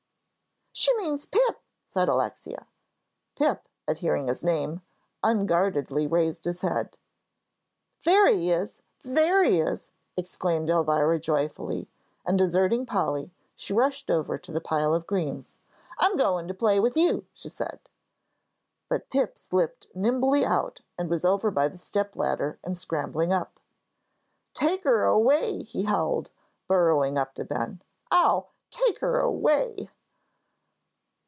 "She means Pip," said Alexia. Pip, at hearing his name, unguardedly raised his head. "There he is! There he is!" exclaimed Elvira, joyfully. And, deserting Polly, she rushed over to the pile of greens. "I'm goin' to play with you," she said. But Pip slipped nimbly out and was over by the step ladder and scrambling up. "Take her away," he howled, burrowing up to Ben. "Ow! Take her away!"